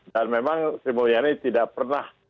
dan memang sri mulyani tidak pernah